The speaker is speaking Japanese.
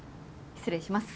失礼します。